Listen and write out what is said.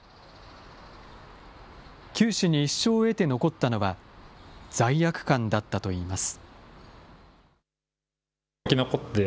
九死に一生を得て残ったのは、罪悪感だったといいます。